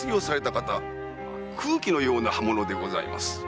空気のようなものでございます。